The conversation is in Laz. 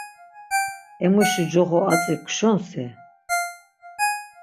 Emuşi coxo atzi kşunsi?